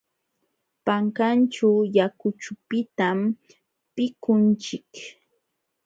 Pankanćhu yakuchupitam mikunchik.